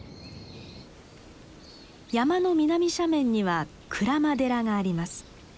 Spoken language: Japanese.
山の南斜面には鞍馬寺があります。